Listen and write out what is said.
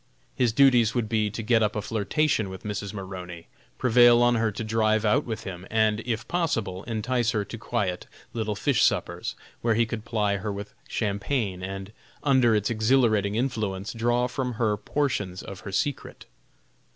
His duties would be to get up a flirtation with Mrs. Maroney, prevail on her to drive out with him, and, if possible, entice her to quiet, little fish suppers, where he could ply her with champagne, and, under its exhilarating influence, draw from her portions of her secret.